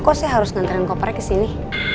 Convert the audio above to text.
kok saya harus nganterin koper kesini